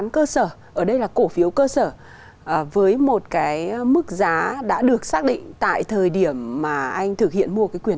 cổ phiếu cơ sở với một cái mức giá đã được xác định tại thời điểm mà anh thực hiện mua cái quyền